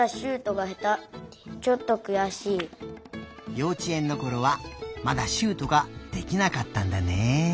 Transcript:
ようち園のころはまだシュートができなかったんだね。